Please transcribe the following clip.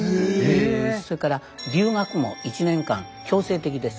それから留学も１年間強制的です。